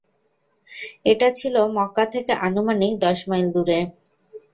এটা ছিল মক্কা থেকে আনুমানিক দশ মাইল দূরে।